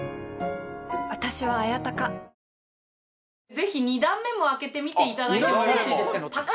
ぜひ２段目も開けて見ていただいてもよろしいですか